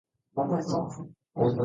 أخيرا أنهيتُ كتابة التقرير.